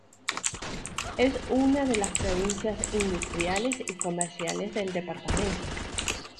Es una de las provincias industriales y comerciales del departamento.